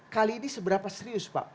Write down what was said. kali ini seberapa serius pak